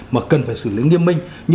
mà cần phải xử lý nghiêm minh